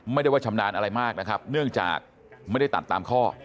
ไม่ได้ว่าชำนาญอะไรมากนะครับเนื่องจากไม่ได้ตัดตามข้อ